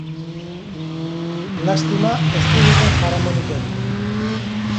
Lastima, ez ziguten jaramonik egin.